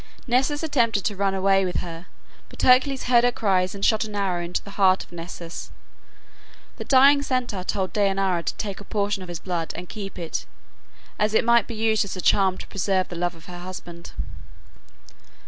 Nessus attempted to run away with her, but Hercules heard her cries and shot an arrow into the heart of Nessus. The dying Centaur told Dejanira to take a portion of his blood and keep it, as it might be used as a charm to preserve the love of her husband.